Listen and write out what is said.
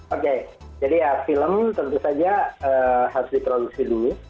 oke jadi ya film tentu saja harus diproduksi dulu